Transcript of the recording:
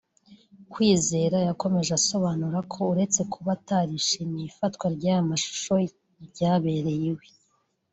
Kwizera yakomeje asobanura ko uretse kuba atarishimiye ifatwa ry’aya mashusho ryabereye iwe